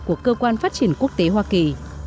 của cơ quan phát triển quốc tế hoa kỳ